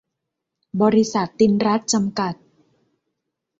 บริษัท ติณรัตน์ จำกัด